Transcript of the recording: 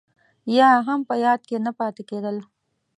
يا هم په ياد کې نه پاتې کېدل.